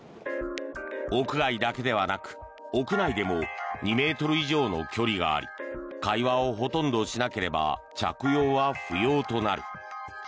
屋外だけではなく屋内でも２ｍ以上の距離があり会話をほとんどしなければ着用は不要となる。